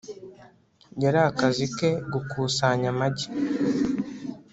yari akazi ke gukusanya amagi